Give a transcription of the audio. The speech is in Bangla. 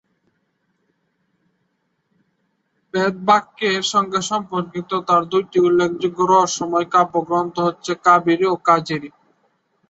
বেদব্যাখ্যার সঙ্গে সম্পর্কিত তাঁর দুটি উল্লেখযোগ্য রহস্যময় কাব্যগ্রন্থ হচ্ছে কাবেরী ও কাজরী।